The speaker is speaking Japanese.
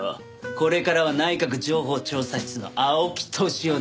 これからは内閣情報調査室の青木年男だ。